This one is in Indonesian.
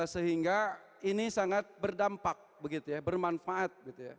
sehingga ini sangat berdampak bermanfaat